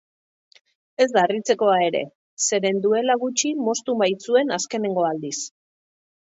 Ez da harritzekoa ere, zeren duela gutxi moztu baitzuen azkeneko aldiz.